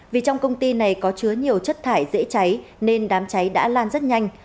vì trong công ty này có chứa nhiều chất thải dễ cháy nên đám cháy đã lan rất nhanh